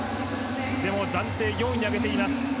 でも暫定４位に上げています。